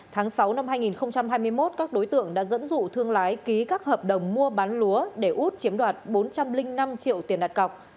tháng sáu năm hai nghìn hai mươi một các đối tượng đã dẫn dụ thương lái ký các hợp đồng mua bán lúa để út chiếm đoạt bốn trăm linh năm triệu tiền đặt cọc